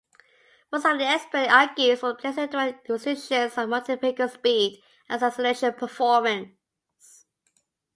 One cycling expert argues for placing direct restrictions on motor-vehicle speed and acceleration performance.